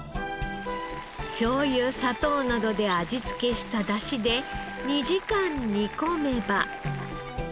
しょうゆ砂糖などで味付けした出汁で２時間煮込めば。